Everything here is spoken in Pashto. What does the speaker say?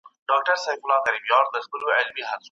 د بهرنی تګلاري پلي کول له اداري ستونزو خالي نه دي.